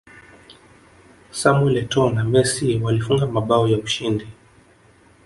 samuel etoo na messi walifunga mabao ya ushindi